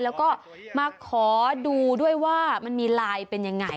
แล้วก็มาขอดูด้วยว่ามันมีลายเป็นยังไง